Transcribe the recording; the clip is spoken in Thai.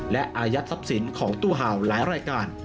และอายัดทรัพย์สินของตู้ห่าวหลายรายการ